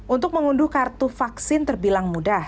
untuk mengunduh kartu vaksin terbilang mudah